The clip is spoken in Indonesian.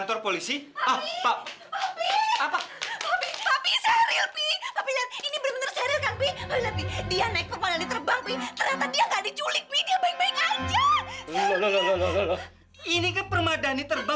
tapi saya bisa naik permadani terbang